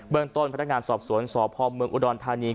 เบื้องต้นพนักงานสอบสวนสอบภอบเมืองอุดรทานีน